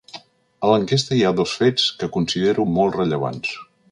A l’enquesta hi ha dos fets que considero molt rellevants.